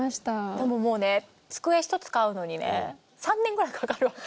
でももうね机ひとつ買うのにね３年ぐらいかかるわけ。